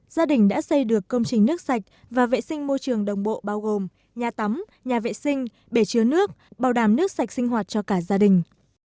gia đình đã xây được công trình nước sạch và vệ sinh môi trường đồng bộ bao gồm nhà tắm nhà vệ sinh bể chứa nước bảo đảm nước sạch sinh hoạt cho cả gia đình